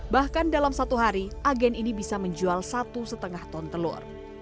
bahkan dalam satu hari agen ini bisa menjual satu lima ton telur